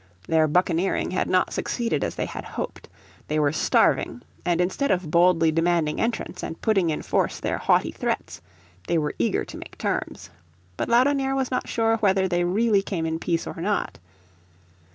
Their buccaneering had not succeeded as they had hoped. They were starving, and instead of boldly demanding entrance, and putting in force their haughty threats, they were eager to make terms. But Laudonnière was not sure whether they really came in peace or not.